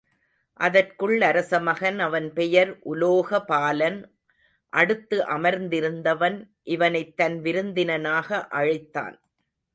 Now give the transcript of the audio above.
அதற்குள் அரசமகன் அவன் பெயர் உலோகபாலன் அடுத்து அமர்ந்திருந்தவன் இவனைத் தன் விருந்தினனாக அழைத்தான்.